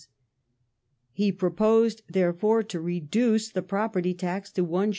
He pro posed, therefore, to reduce the Property tax to Is.